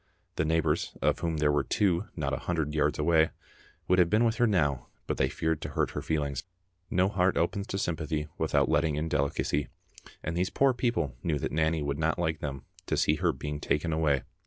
The neighbours, of whom there were two not a hundred yards away, would have been with her now but they feared to hurt her feelings. No heart opens to sympathy without letting in delicacy, and these poor people knew that Nanny would not like them to see her being taken away.